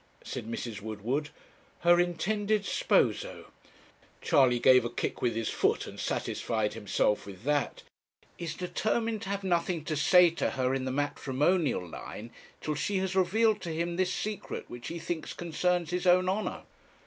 said Mrs. Woodward 'her intended sposo' Charley gave a kick with his foot and satisfied himself with that 'is determined to have nothing to say to her in the matrimonial line till she has revealed to him this secret which he thinks concerns his own honour.'